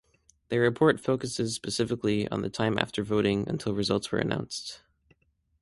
Their report focuses specifically on the time after voting until results were announced.